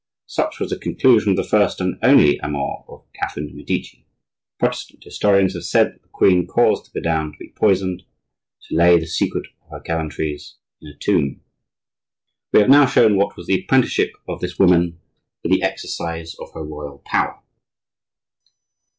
Such was the conclusion of the first and only amour of Catherine de' Medici. Protestant historians have said that the queen caused the vidame to be poisoned, to lay the secret of her gallantries in a tomb! We have now shown what was the apprenticeship of this woman for the exercise of her royal power.